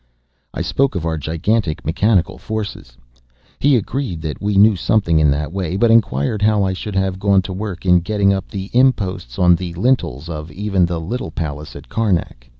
I spoke of our gigantic mechanical forces. He agreed that we knew something in that way, but inquired how I should have gone to work in getting up the imposts on the lintels of even the little palace at Carnac.